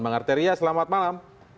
bang arteria selamat malam